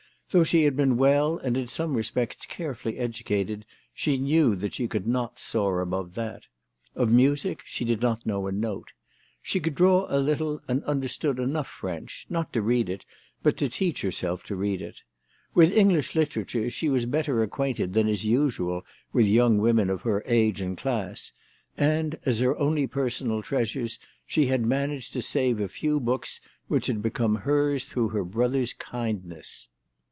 Though she had been well and in some respects carefully educated, she knew that she could not soar above that. Of music she did not know a note. She could draw a little and understood enough French, not to read it, but to teach herself to read it. With English literature she was better acquainted than is usual with young women of her age and class ; and, as her only personal treasures, she had managed to save a few books which had become hers through her brother's kindness.